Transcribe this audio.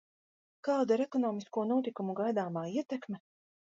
Kāda ir ekonomisko notikumu gaidāmā ietekme?